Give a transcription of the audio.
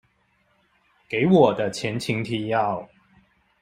給我的前情提要